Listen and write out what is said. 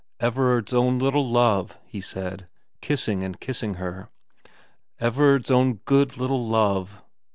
' Everard's own little love,' he said, kissing and kissing her. ' Everard's own good little love.'